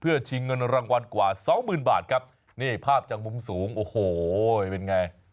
ชิงเงินรางวัลกว่าสองหมื่นบาทครับนี่ภาพจากมุมสูงโอ้โหเป็นไง